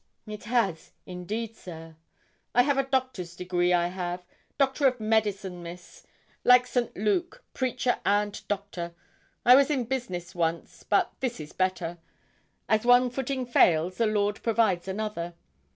'It has, indeed, sir.' 'I've a doctor's degree, I have Doctor of Medicine, Miss. Like St. Luke, preacher and doctor. I was in business once, but this is better. As one footing fails, the Lord provides another.